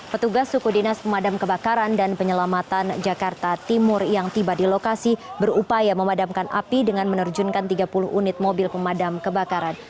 petugas suku dinas pemadam kebakaran dan penyelamatan jakarta timur yang tiba di lokasi berupaya memadamkan api dengan menerjunkan tiga puluh unit mobil pemadam kebakaran